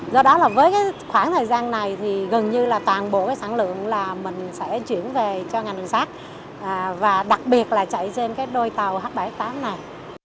do đó là với khoảng thời gian này thì gần như là toàn bộ sản lượng là mình sẽ chuyển về cho ngành sát và đặc biệt là chạy trên đôi tàu h bảy mươi tám này